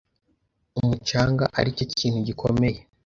umucanga ari cyo kintu gikomeye